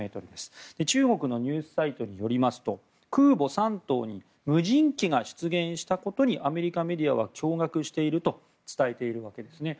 中国のニュースサイトによりますと空母「山東」に無人機が出現したことにアメリカメディアは驚愕していると伝えているわけですね。